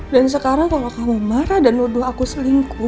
dan sekarang kalo kamu marah dan nuduh aku selingkuh